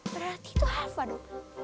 berarti itu alfadu